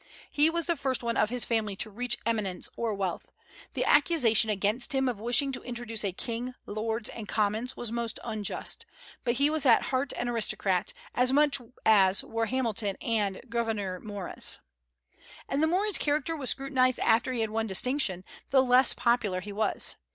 He was the first one of his family to reach eminence or wealth. The accusation against him of wishing to introduce a king, lords, and commons was most unjust; but he was at heart an aristocrat, as much as were Hamilton and Gouverneur Morris. And the more his character was scrutinized after he had won distinction, the less popular he was.